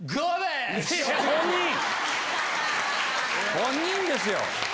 本人ですよ！